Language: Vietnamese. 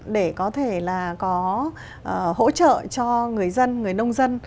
để có thể là có hỗ trợ cho người dân người nông dân